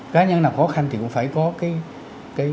cá nhân nào khó khăn thì cũng phải có cái